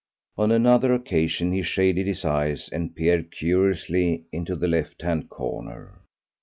On another occasion he shaded his eyes and peered curiously into the left hand corner.